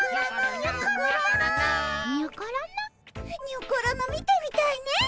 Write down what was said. にょころの見てみたいね。